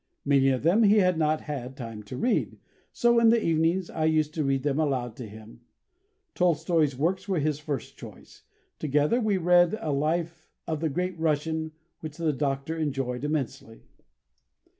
Many of them he had not had time to read, so, in the evenings, I used to read them aloud to him. Tolstoi's works were his first choice; together we read a life of the great Russian, which the Doctor enjoyed immensely.